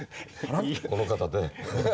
この方で。